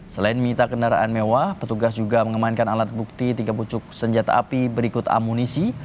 selain minta kendaraan mewah petugas juga mengemankan alat bukti tiga pucuk senjata api berikut amunisi